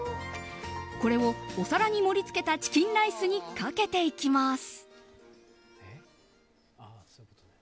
これを、お皿に盛りつけたチキンライスにかけていきます。